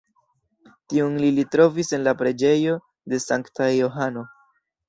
Tiun ili trovis en la preĝejo de Sankta Johano.